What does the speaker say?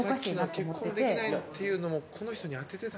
さっきの結婚できないっていうのもこの人に当ててた？